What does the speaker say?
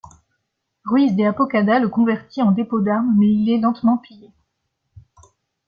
Ruiz de Apodaca le convertit en dépôt d'armes mais il est lentement pillé.